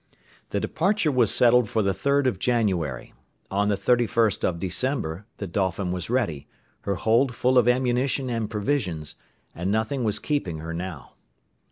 The departure was settled for the 3rd of January; on the 31st of December the Dolphin was ready, her hold full of ammunition and provisions, and nothing was keeping her now.